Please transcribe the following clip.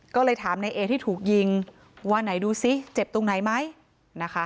ก็เลยถามในเอที่ถูกยิงว่าไหนดูซิเจ็บตรงไหนไหมนะคะ